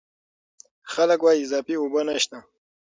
خلک وايي اضافي اوبه نشته.